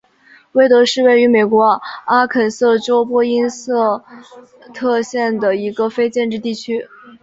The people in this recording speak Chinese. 威德是位于美国阿肯色州波因塞特县的一个非建制地区。